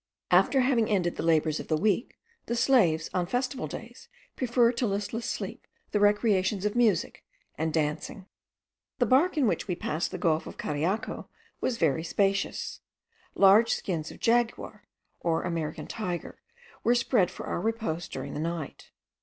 After having ended the labours of the week, the slaves, on festival days, prefer to listless sleep the recreations of music and dancing. The bark in which we passed the gulf of Cariaco was very spacious. Large skins of the jaguar, or American tiger, were spread for our repose during the night.